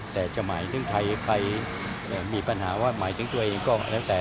แต่จะหมายถึงใครมีปัญหาว่าหมายถึงตัวเองก็แล้วแต่